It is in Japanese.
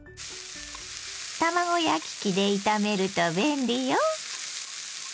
卵焼き器で炒めると便利よ。